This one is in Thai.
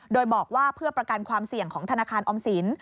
โดยบอกว่าเพื่อประกันความเสี่ยงของธนาคารออมสิน